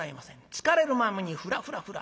突かれるままにフラフラフラ